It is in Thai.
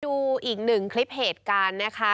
ดูอีกหนึ่งคลิปเหตุการณ์นะคะ